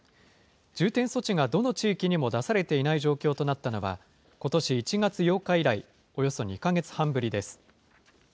重点措置がどの地域にも出されていない状況となったのは、ことし１月８日以来およそ２か月半ぶりです。